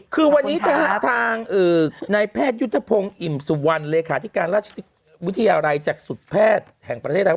คือวันนี้นะฮะทางนายแพทยุทธพงศ์อิ่มสุวรรณเลขาธิการราชวิทยาลัยจากสุดแพทย์แห่งประเทศไทย